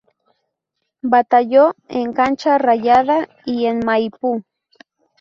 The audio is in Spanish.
Batalló en Cancha Rayada y en Maipú.